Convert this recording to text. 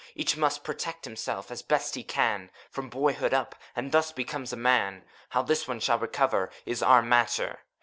Each must protect himself, as best he can. From boyhood up, and thus becomes a man. How this one shall recover, is our matter.